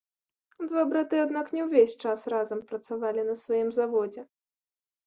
Два браты аднак не ўвесь час разам працавалі на сваім заводзе.